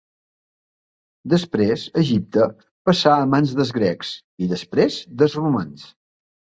Després Egipte passà a mans dels grecs i després dels romans.